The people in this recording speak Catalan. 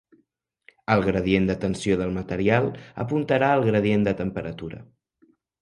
El gradient de tensió del material apuntarà al gradient de temperatura.